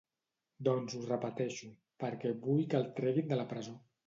Doncs ho repeteixo, perquè vull que el treguin de la presó.